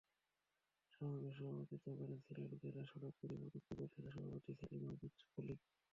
সমাবেশে সভাপতিত্ব করেন সিলেট জেলা সড়ক পরিবহন ঐক্য পরিষদের সভাপতি সেলিম আহমদ ফলিক।